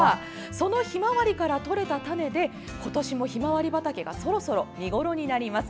そのひまわりからとれた種で今年もひまわり畑がそろそろ見頃になります。